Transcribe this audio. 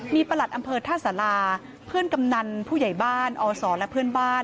มีประหลัดอำเภอท่าสาราเพื่อนกำนันผู้ใหญ่บ้านอศและเพื่อนบ้าน